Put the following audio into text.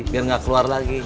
biar gak keluar lagi